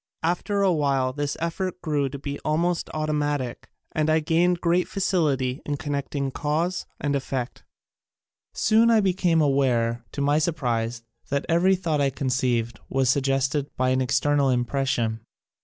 After a while this effort grew to be almost automatic and I gained great facility in connecting cause and effect. Soon I became aware, to my sur prise, that every thought I conceived was suggested by an external impression.